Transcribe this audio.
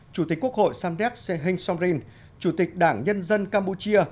chủ tịch quốc hội samdet sehing somrin chủ tịch đảng nhân dân campuchia